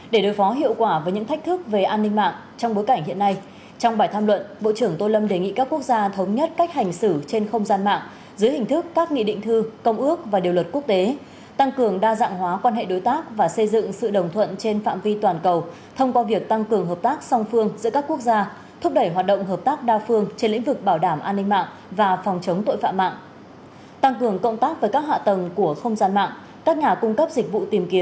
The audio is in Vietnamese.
để đối phó hiệu quả với những thách thức về an ninh mạng trong bối cảnh hiện nay trong bài tham luận bộ trưởng tô lâm đề nghị các quốc gia thống nhất cách hành xử trên không gian mạng dưới hình thức các nghị định thư công ước và điều luật quốc tế tăng cường đa dạng hóa quan hệ đối tác và xây dựng sự đồng thuận trên phạm vi toàn cầu thông qua việc tăng cường hợp tác song phương giữa các quốc gia thúc đẩy hoạt động hợp tác đa phương trên lĩnh vực bảo đảm an ninh mạng và phòng chống tội phạm mạng tăng cường cộng tác với các hạ t